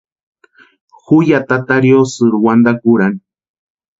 Ju ya tata riosïri wantakwa úrani.